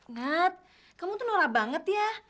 nat kamu tuh norabanget ya